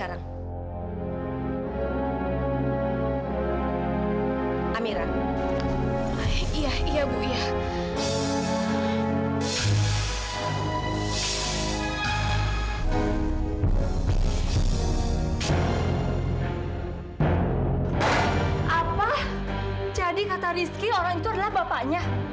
apa jadi kata rizky orang itu adalah bapaknya